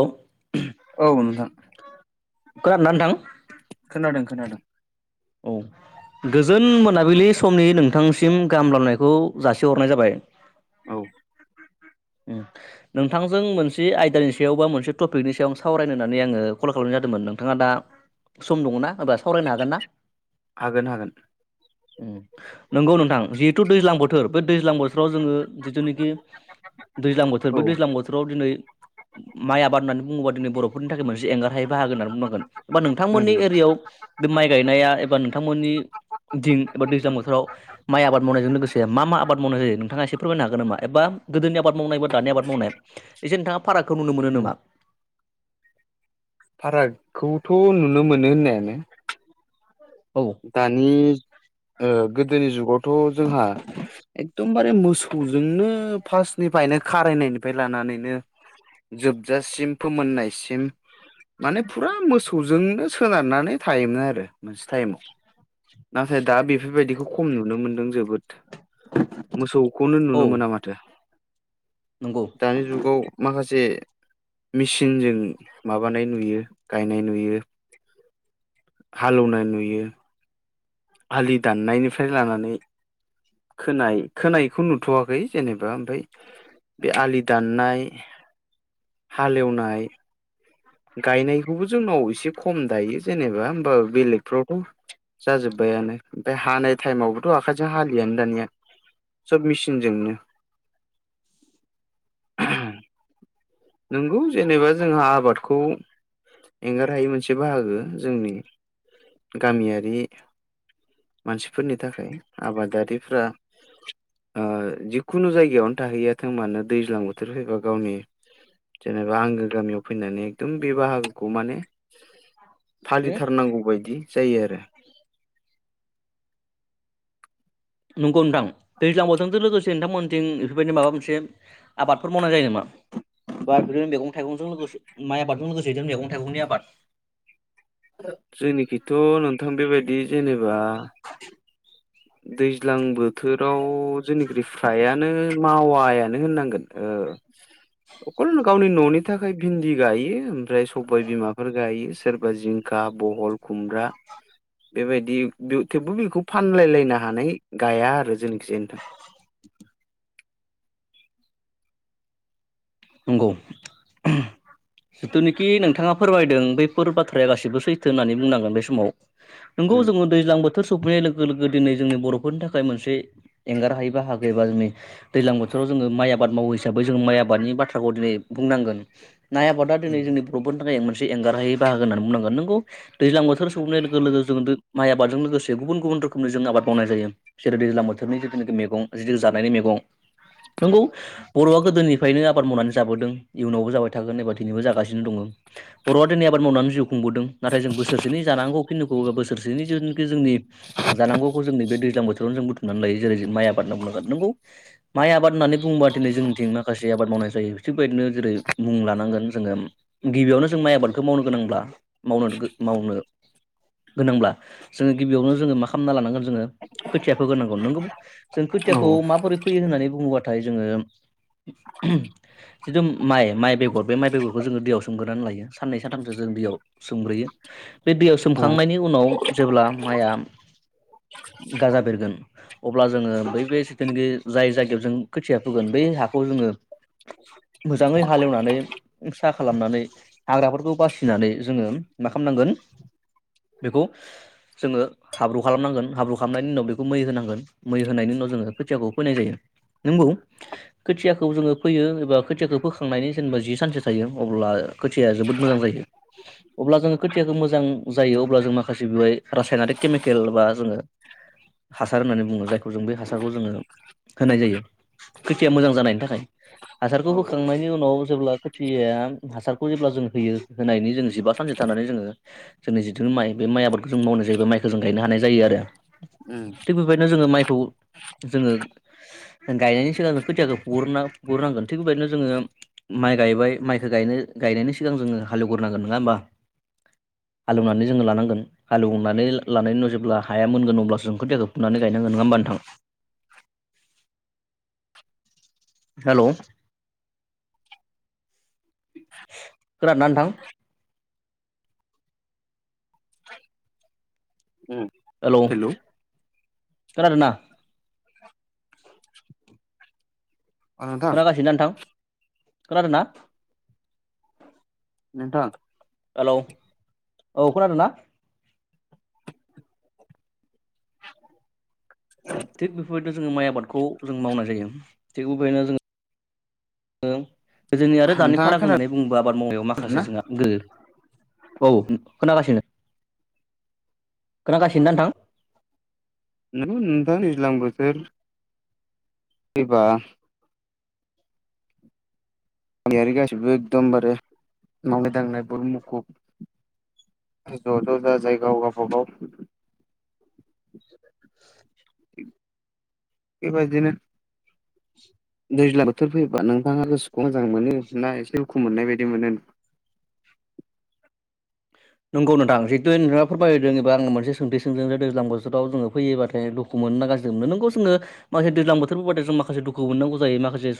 औ। औ नोंथां। खोनादोंना नोंथां? खोनादों खोनादों। औ, गोजोन मोनाबिलि समनि नोंथांसिम गाहाम हामब्लाबनायखौ जासिहरनाय जाबाय। औ। [unintelligible] नोंथांजों मोनसे आयदानि सायाव बा मोनसे टपिकनि सायाव सावरायनो होननानै आङो कल खालामनाय जादोंमोन। नोंथाङा दा सम दङना एबा सावरायनो हागोन ना? हागोन हागोन। औ। नोंगौ नोंथां। जिहेतु दैज्लां बोथोर बे दैज्लां बोथोराव जोङो जिथुनिखि दैज्लां बोथोर औ बे दैज्लां बोथोराव दिनै माइ आबाद होननानै बुङोबा दिनै बर'फोरनि थाखाय मोनसे एंगारहायै बाहागो होननानै बुंनांगोन। एबा उम नोंथांमोननि एरियायाव बे माइ गायनाया एबा नोंथांमोननि [unintelligible] एबा दैज्लां बोथोराव माइ आबाद मावनायजों लोगोसे मा मा आबाद मावनाय जायो नोंथाङा एसे फोरमायनो हागोन नामा? एबा गोदोनि आबाद मावनाय बा दानि आबाद मावनाया एसे नोंथाङा फारागखौ नुनो मोनो उम नामा? फारागखौथ' नुनो मोनो होननायानो। औ दानि गोदोनि जुगावथ' जोंहा एखदमबारे मोसौजोंनो फार्स्टनिफ्रायनो खारायनायनिफ्राय लानानैनो जोबजासिम फोमोननायसिम माने फुरा मोसौजोंनो सोनारनानै थायोमोन आरो मोनसे टाइमाव। नाथाय दा बेफोरबायदिखौ खम नुनो मोनदों जोबोद मोसौखौनो औ नुनो मोना माथो। नंगौ। दानि जुगाव माखासे मिसिनजों माबानाय नुयो गायनाय नुयो हालोवनाय नुयो आलि दाननायनिफ्राय लानानै खोनाय खोनायखौ नुथ'वाखै जेनेबा ओमफ्राय बे आलि दाननाय हालेवनाय गायनायखौबो जोंनाव एसे खम दायो जेनेबा होमबा बेलेगफ्रावथ' जाजोब्बायानो ओमफाय हानाय टाइमावबोथ' आखाइजों हालियानो दानिया सोब मिचिनजोंनो नोंगौ जेनेबा जोंहा आबादखौ एंगार हायि मोनसे बाहागो जोंनि गामियारि मानसिफोरनि थाखाय आबादारिफ्रा ओ जिखुनु जायगायावनो थाहैया थों मानो दैज्लां बोथोर फैबा गावनि जेनेबा आंगो गामियाव फैनानै एकदम बे बाहागोखौ माने उम फालिथारनांगौ बायदि जायो आरो नंगौ नोंथां दैज्लां बोथोरजों लोगोसे नोंथांमोनथिं इफोरबायदि माबा मोनसे आबादफोर मावनाय जायो नामा? बा बिदिनो मैगं थाइगंजों लोगोसे माइ आबादजों लोगोसे बिदिनो मैगं थाइगंनि आबाद जोंनिखैथ' नोंथां बेबायदि जेनेबा [inaudible] दैज्लां बोथोराव जोंनिख्रुइ फ्रायानो मावायानो होननांगोन ओ अखल गावनि न'नि थाखाय भिन्दि गायो ओमफ्राय सबाय बिमाफोर गायो सोर [unintelligible] जिंखा बहल खुमब्रा बेबायदि थेवबो बेखौ फानलायलाय नाहानै गाया आरो जोंनिखिजाय नोंथां नंगौ जिथुनिखि नोंथाङा फोरमायदों बैफोर बाथ्राया गासिबो सैथो होननानै बुंनांगोन बे समाव नोंगौ उम जों दैज्लां बोथोर सौफैनाय लोगो लोगो दिनै जोंनि बर'फोरनि थाखाय मोनसे एंगारहायि बाहागो एबा जोंनि दैज्लां बोथोराव जोङो माइ आबाद मावो हिसाबै जों माइ आबादनि बाथ्राखौ दिनै बुंनांगोन माइ आबादा दिनै जोंनि बर'फोरनि थाखाय मोनसे एंगारहायै बाहागो होननानै बुंनांगोन नोंगौ दैज्लां बोथोर खौनो लोगो लोगो जों दो माइ आबादजों लोगोसे गुबुन गुबुन रोखोमनि जों आबाद मावनाय जायो बिसोरो दैजां बोथोरनि जिथुनिखि मेगं जिथु जानायनि मेगं नंगौ बर'आ गोदोनिफ्रायनो आबाद मावनानै जाबोदों इयुनावबो जाबाय थागोन एबा दिनैबो जागासिनो दङ बर'आ दिनै आबाद मावनानै जिउ खुंबोदों नाथाय जों बोसोरसेनि जानांगौखिनिखौ बोसोरसेनि [unintelligible] जोंनि जानांगौखौ जों नैब दैज्लां बोथोरावनो जों बुथुमनानै लायो जेरै माइ आबाद होनना बुंनांगोन नोंगौ माइ आबाद होननानै बुङोबा दिनै जोंनिथिं माखासे आबाद मावनाय जायो थिग बायदिनो जेरै मुं लानांगोन जोङो गिबियावनो जों माइ आबादखौ मावनो गोनांब्ला मावनो गो मावनो गोनांब्ला जोङो गिबियावनो जोङो मा खालामना लानांगोन जोङो खोथिया फोगोरनांगौ नंगौ जों औ खोथियाखौ माबोरै फोगो फोयो होननानै बुङोब्लाथाय जोङो जिथु माइ माइ बेगर बे माइ बेगरखौ जोङो दैयाव सोमगोरनानै लायो साननै सानथामसो जों दैयाव सोमग्रोयो बे दैयाव सोमखांनायनि उनाव जेब्ला माइया गाजा बेरगोन अब्ला जोङो बै बे सिखोन [unintelligible] जाय जायगायाव जों खोथिया फोगोन बै हाखौ जोङो मोजाङै हालेवनानै [unintelligible] खालामनानै हाग्राफोरखौ बासिनानै जोङो मा खालामनांगोन बेखौ जोङो हाब्रु खालामनांगोन हाब्रु खालामनायनि उनाव बेखौ मै होनांगोन मै होनायनि उनाव जोङो खोथियाखौ फोनाय जायो नोंगौ खोथियाखौ जोङो फोयो एबा खोथियाखौ फोखांनायनि जेनेबा जि सानसे थायो अब्ला खोथियाया जोबोद मोजां जायो अब्ला जोङो खोथियाखौ मोजां जायो अब्ला जों माखासे बेवहाय रासायनारिक केमिकेल बा जोङो हासार होननानै बुङो जायखौ जों बे हासारखौ जोङो होनाय जायो खोथिया मोजां जानायनि थाखाय हासारखौ औ होखांनायनि उनाव जेब्ला खोथिया हासारखौ जेब्ला जों होयो होनायनि जो जिबा सानसे थानानै जोङो जोंनि जिथुनि माइ बे माइ आबादखौ जों मावनाय जायो माइखौ जों गायनो हानाय जायो आरो उम थिग बेबायदिनो जोङो माइखौ जोङो गायनायनि सिगां जों खोथियाखौ हुग्रनांगोन थिग बेबायदिनो जोङो माइ गायबाय माइखौ गायनो गायनायनि सिगां जोङो हालेवग्रोनांगोन नङा होमबा हालौवनानै जोङो लानांगोन हालेवनानै लानाय न' जेब्ला हाया मोनगोन अब्लासो खोथियाखौ फुनानै गायनांगोन नङा होमबा नोंथां हेल' खोनादोंना नोंथां उम हेलौ खोनादोंना [inaudible] नोंथां खोनागासिनोना नोंथां खोनादोंना? नोंथां हेल' औ खोनादों ना? थिग बेफोरबायदिनो जोङो माइ आबादखौ जों मावनाय जायो थिग उबायनो जों ओ गोदोनि आरो दानि फाराग खोनादों होननानै बुङोबो आबाद मावनायाव ना माखासे जोंहा गो औ खोनागासिनो खोनागासिनो ना नोंथां नों नोंथांनोस लां बोसोर गैबा गामियारि गासिबो एकदमबारे मावनाय दांनाय ब मुखुब ज' ज' ज' जायगायाव गावबागाव [unintelligible] बे बायदिनो दैज्लां बोथोर फैयोबा नोंथाङा गोसोखौ मोजां मोनो ना एसे दुखु मोननाय बायदि मोनो नंगौ नोंथां जिहेथु नोंथाङा फोरमायदों एबा आं मोनसे सोंथि सोंदों दैज्लां बोथोरावो फैयो बाथाय [unintelligible] नंगौ जोङो माखासे दैज्लां बोथोरबो बादि जों माखासे दुखु मोननांगौ जायो माखासे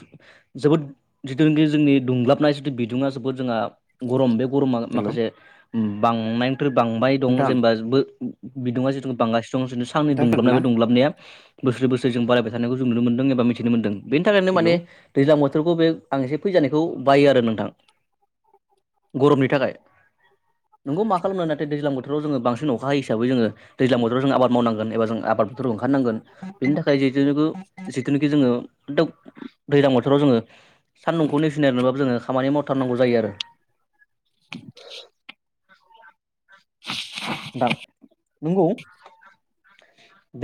जोबोद जिथुनाखि जोंनि दुंग्लाबनाय जिथु बिदुङा जोबोद जोंहा गरम बे गरमा हेल' माखासे बांनायनिफ्राय बांबाय दं नोंथां जेनेबा बिदुङा जिथु बांगासिनो दं साननि नोंथाङा दुंग्लाबनाय बे खोनादोंना दुंग्लाबनाया बोसोरै बोसोर जों बारायबाय थानायखौ जों नुनो मोनदों एबा मिथिनो मोनदों बिनि थाखायनो हेलौ माने दैज्लां बोथोरखौ बे आं एसे फैजानायखौ बायो आरो नोंथां गरमनि थाखाय नंगौ मा खालामनो नाथाय दैज्लां बोथोराव जों बांसिन अखा हिसाबै जों दैज्लां बोथोराव जों आबाद मावनो एबा जों आबाद फोथाराव ओंखारनांगोन बेनि थाखाय जेजों जिथुनाखि जोङो दैज्लां बोथोराव जोङो सान्दुंखौ नेनायबाबो जोङो खामानि मावथ थारनांगौ जायो आरो [unintelligible] नोंथां नंगौ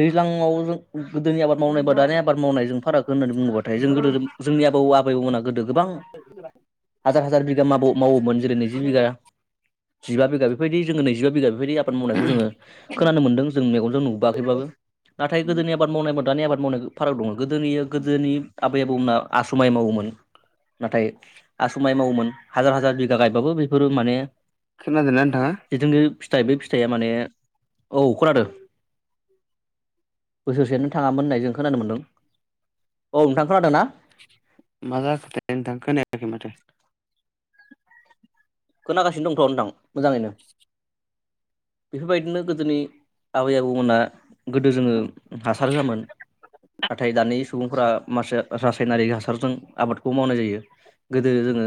दैज्लां मावनो गोदोनि आबाद मावनाय बा दानि आबाद मावनायजों फाराग होन्नानै बुङोबाथाय जों गोदो जोंनि आबौ आबैमोना गोदो गोबां [unintelligible] हाजार हाजार बिगा माव मावोमोन जेरै नैजि बिघा जिबा बिगा बेफोरबायदि जो नैजिबा बिघा बेबायदि [unintelligible] मावनायखौ जोङो खोनानो मोनदों जों मेगनजों नुबोआखैबाबो नाथाय गोदोनि आबाद मावनायमोन दानि आबाद मावनाय फाराग दङ गोदोनि गोदोनि आबै आबौमोनना आसुमाय मावोमोन नाथाय आसु माइ मावोमोन हाजार हाजार बिगा गायबाबो बेफोरो माने खोनादोंना नोंथाङा जिथु फिथाइ बे फिथाइया माने औ खोनादों - बोसोरसे नो थाङामोन होननाय जों खोनानो मोनदों औ नोंथां खोनादों ना? मा जाखोथाय नोंथां खोनायाखै माथो। खोनागासिनो दंथ' नोंथां मोजाङैनो। बेफोरबायदिनो गोदोनि आबै आबौमोनहा गोदो जोङो हासार होआमोन नाथाय दानि सुबुंफोरा माखासे रासायनारिक हासारजों आबादखौ मावनाय जायो गोदो जोङो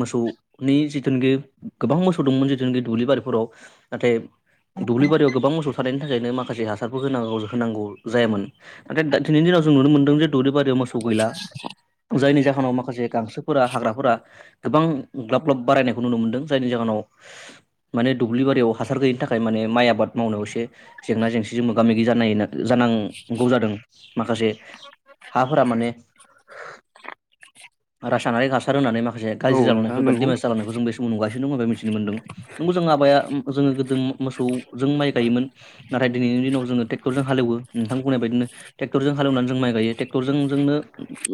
मोसौ नि जिथुनाखि मोसौ दंमोन जिथुनाखि दुब्लि बारिफोराव नाथाय दुब्लि बारियाव गोबां मोसौ थानायनि थाखायनो माखासे हासारफोर होनांगौ होनांगौ जायामोन। नाथाइ दिनैनि दिनाव जों नुनो मोन्दों जे दुब्लि बारियाव मोसौ गैला जायनि जाहोनाव माखासे गांसोफोरा हाग्राफोरा गोबां ग्लाब ग्लाब बारायनायखौ नुनो मोन्दों जायनि जाहोनाव माने दुब्लि बारियाव हासार गैयिनि थाखाय माने माइ आबाद मावनायाव एसे जेंना जेंसिजों मोगा मोगि जानाय जानांगौ जादों। माखासे हाफोरा माने रासानारि हासार होननानै माखासे औ गाज्रि नोंथां जालांनाय बा नंगौ देमेज जालनायखौ जों बे नुगासिनो दं बे मिथिनो मोनदों नंगौ जों माबाया जोङो गोदो मोसौ जों माइ गायोमोन नाथाय दिनैनि दिनाव जोङो ट्रेक्टरजों हालेवो। नोंथां बुंनाय बायदिनो ट्रेक्टरजों हालेवनानै जों माइ गायो ट्रेक्टरजों जोंनो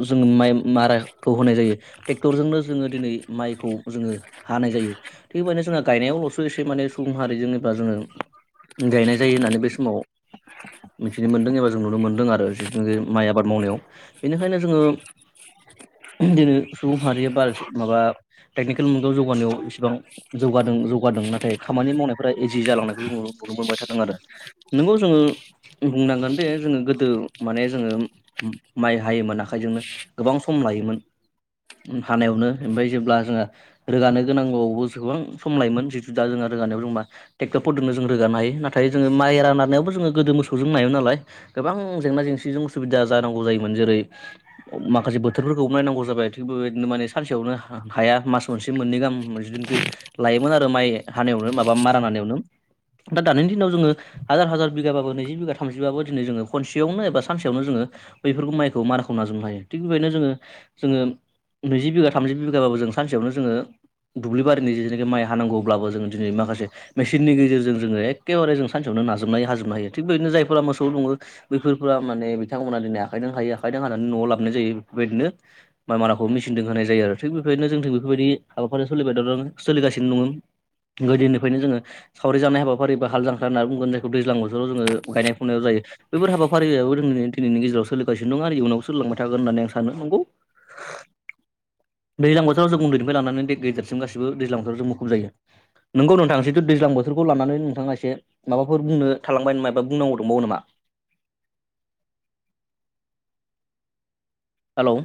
जों माइ मारा खौ होनाय जायो ट्रेक्टरजोंनो जोङो दिनै माइखौ जोङो हानाय जायो। थिग बेबायदिनो जोंहा गायनायावल'सो एसे माने सुबुं हारिजोंनो बा जोङो गायनाय जायो होननानै बे समाव मिथिनो मोन्दों एबा जों नुनो मोनदों आरो जथु माइ आबाद मावनायाव बेनिखायनो जोङो दिनै सुबुं माहारिया बार माबा टेकनिकेल मुगायाव जौगानायाव इसिबां जौगादों जौगादों नाथाय खामानि मावनायफोरख इजि जालांनायखौ जङ नुनो मोनबाय थादों आरो। नोंगौ जोङो बुंनांगोन बे जोङो गोदो माने जोङो माइ हायोमोन आखाइजोंनो गोबां सम लायोमोन। हानायावनो ओमफ्राय जेब्ला जोङो रोगानो गोनांगौआवबो गोबां सम लायोमोन जिथु दा जोंहा रोगानायाव जों मा ट्रेक्टरफोरजोंनो जों रोगानो हायो नाथाय जोङो माइरा नानायावबो जोङो गोदो मोसौजों नायोमोन नालाय गोबां जेंना जेंसिजोंसुबिदा जानांगौ जायोमोन जेरै माखासे बोथोरफोरखौ नायनांगौ जाबाय थिग बेबायदिनो माने सानसेयावनो हाया मास मोनसे मोननै गाहाम जिथुनिखि लायोमोन आरो माइ हानायावनो माबा मारा हानायावनो दा दानि दिनाव जोङो हाजार हाजार बिगाबो नैजि बिघा थामजि बिगाबाबो दिनै जोङो खनसेयावनो बा सानसेयावनो जोङो बैफोरखौ माइखौ माराखौ नाजोबनो हायो थिग बेबायदिनो जोङो जोङो नैजि बिघा थामजि बिगाबाबो जों सानसेयावनो जोङो दुब्लि बारिनि जेथुनोखि माइ हानांगौब्लाबो जोङो दिनै माखासे मेसिननि गेजेरजों जोङो एखेबारे जों सानसेनो नाजाबनाय हाजोबनो हायो थिग बेबायदिनो जायफोरा मोसौ दङो बैफोरफोरा माने बिथांमोना दिनै आखाइजों हायो आखाइजों हानानै न'आव लाबाय जायो बेफोरबायदिनो माइ माराखौ मिसिनजों होनाय जायो आरो थिग बेबायदिनो जोंथिं बेफोरबायदि हाबाफारिया सोलिबाय थादों सोलिगासिनो दङ। गोदोनिफ्रायनो जोङो सावरि जानाय हाबाफारिबो हाल जानखां होननानै बुंगोन जायखौ दैज्लां बोथोराव जोङो गायनाय फुंनायाव जाय बैफोर हाबाफारियाबो जोंनि दिनैनि गेजेराव सोलिगासिनो दङ' आरो इयुनावबो सोलिलांबाय थागोन होनना आं सानो नंगौ। दैज्लां बोथोराव जों उन्दैनिफ्राय लानानै दै गेजेरसिम गासिबो दैज्लां बोथोराव जों मुखुब जायो। नोंगौ नोंथाङा जिथु दैज्लां बोथोरखौ लानानै नोंथाङा एसे माबाफोर बुंनो थालांबाय नामाायबा बुंनांगौ दंबावो नामा? हेलौ